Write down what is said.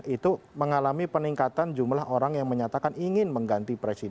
itu mengalami peningkatan jumlah orang yang menyatakan ingin mengganti presiden